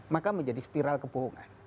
maka menjadi spiral kebohongan